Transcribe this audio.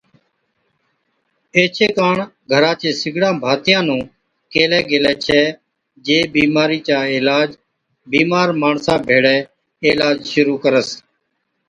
ايڇي ڪاڻ گھرا چي سڳڙان ڀاتِيئان نُون ڪيهلَي گيلَي ڇَي جي بِيمارِي چا علاج بِيمار ماڻسا ڀيڙَي عِلاج شرُوع ڪرس۔